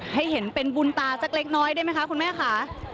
ให้เห็นเป็นบุญตาสักเล็กน้อยได้ไหมคะคุณแม่ค่ะ